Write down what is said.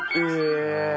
え！